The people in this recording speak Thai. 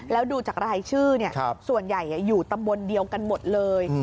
แล้วดูจากรายชื่อส่วนใหญ่อยู่ตำบลเดียวกันหมดเลย